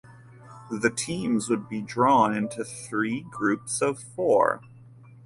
The teams would be drawn into three groups of four.